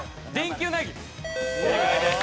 正解です。